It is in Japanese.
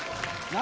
何？